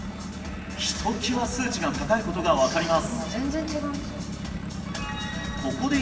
ひときわ数値が高いことが分かります